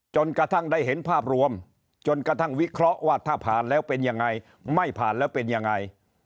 จนกระทั่งได้เห็นภาพรวมจนกระทั่งวิเคราะห์ว่าถ้าผ่านแล้วเป็นยังไงไม่ผ่านแล้วเป็นยังไง